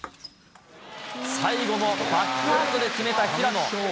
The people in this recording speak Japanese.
最後もバックハンドで決めた平野。